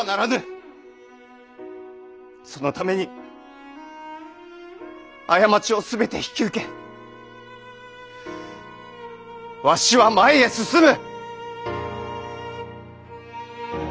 そのために過ちを全て引き受けわしは前へ進む！